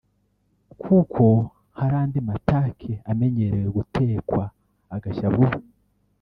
kuko hari andi matake amenyerewe gutekwa agashya vuba